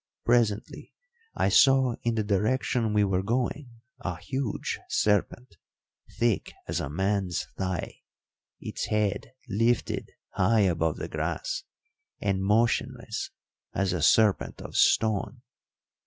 Presently I saw in the direction we were going a huge serpent, thick as a man's thigh, its head lifted high above the grass, and motionless as a serpent of stone.